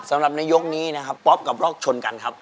สำหรับในยกนี้นะครับป๊อปกับล็อกชนกันครับ